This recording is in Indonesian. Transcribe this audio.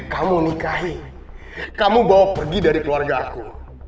kamu nikahi kamu bawa pergi dari keluarga aku